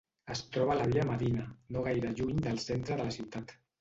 Es troba a la via Medina, no gaire lluny del centre de la ciutat.